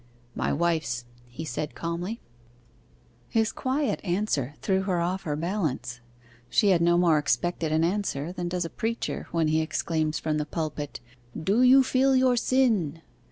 'My wife's,' he said calmly. His quiet answer threw her off her balance. She had no more expected an answer than does a preacher when he exclaims from the pulpit, 'Do you feel your sin?